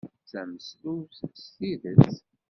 D tameslubt s tidet.